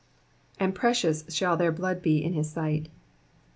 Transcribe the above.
* ^^And precious shall their blood be in his sight.''